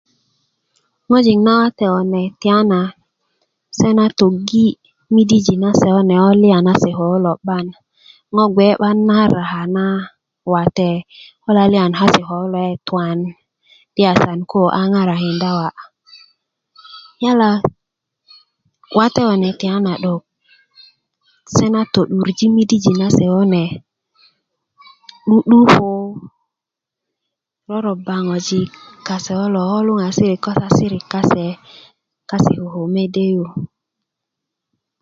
ŋojik nawate kunr tiyana se na töggi midijin kase kune ko laliyan kase ko kulo 'ban ŋo' gbe 'ban na ryaka na wate ko laliyan kase ko kulo ke' tuwan yala 'dok koo a ŋarakinda wa' yala wate kune tiyana 'dok se na to'durji nidijin kase ko kune 'du'dukö rorba ŋojik kase ko kulo ko luŋasiri ko sasirik kase koko mede yu